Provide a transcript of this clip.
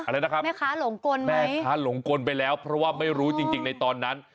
แล้วแม่ค้าหลงกนมั้ยคะแม่ค้าหลงกนไปแล้วเพราะว่าไม่รู้จริงในตอนนั้น